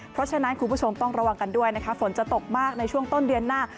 เพราะฉะนั้นคุณผู้ชมต้องระวังกันด้วยนะคะฝนจะตกมากในช่วงต้นเดือนหน้า